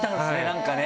何かね。